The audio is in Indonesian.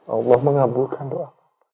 allah mengabulkan doa